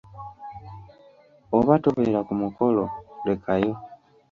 Oba tobeera ku mukolo lekayo.